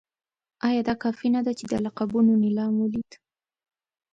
ایا دا کافي نه ده چې د لقبونو نېلام ولید.